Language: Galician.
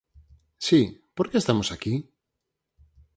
Si, por que estamos aquí?